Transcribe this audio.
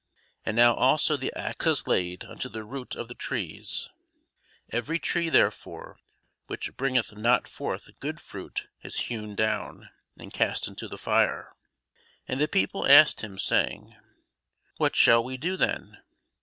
And now also the axe is laid unto the root of the trees: every tree therefore which bringeth not forth good fruit is hewn down, and cast into the fire. And the people asked him, saying, What shall we do then?